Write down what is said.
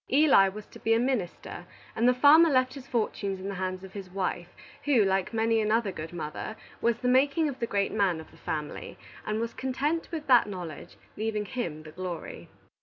Eli was to be a minister, and the farmer left his fortunes in the hands of his wife, who, like many another good mother, was the making of the great man of the family, and was content with that knowledge, leaving him the glory.